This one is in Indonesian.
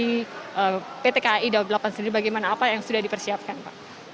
pt eka i dua puluh delapan sendiri bagaimana apa yang sudah dipersiapkan pak